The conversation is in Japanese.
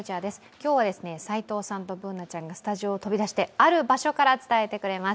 今日は齋藤さんとＢｏｏｎａちゃんがスタジオを飛び出して、ある場所から伝えてくれます。